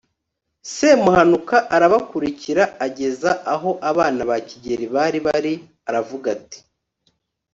semuhanuka arabakurikira ageza aho abana ba kigeli bari bari aravuga ati